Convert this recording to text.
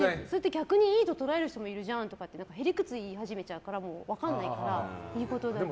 逆に、いいと捉える人もいるじゃんって屁理屈を言い始めちゃうから分かんないから、いいことだけ。